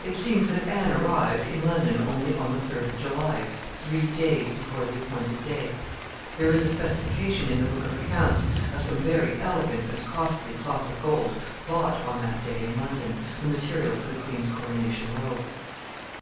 It seems that Anne arrived in London only on the 3d of July, three days before the appointed day. There is a specification in the book of accounts of some very elegant and costly cloth of gold bought on that day in London, the material for the queen's coronation robe.